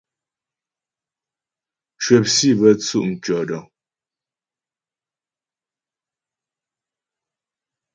Cwəp sǐ bə́ tsʉ' mtʉ̂ɔdəŋ.